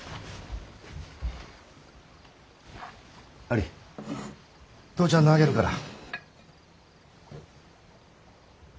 アリ父ちゃんのあげるから。